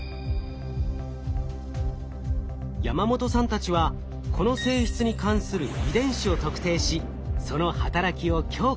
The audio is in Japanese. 山本さんたちはこの性質に関する遺伝子を特定しその働きを強化。